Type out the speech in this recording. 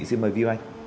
xin mời viu anh